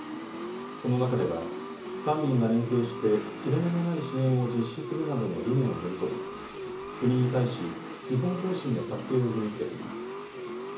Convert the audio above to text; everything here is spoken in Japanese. この中では官民が連携して切れ目のない支援を実施するなどの理念を盛り込み国に対し、基本方針の策定を義務づけています。